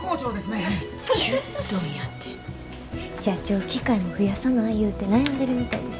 社長機械も増やさないうて悩んでるみたいです。